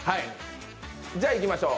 じゃあ、いきましょう。